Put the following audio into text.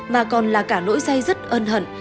mà còn là cả nỗi say rất ân hận